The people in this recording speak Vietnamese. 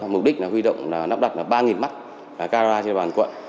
mục đích là huy động nắp đặt ba mắt camera trên địa bàn quận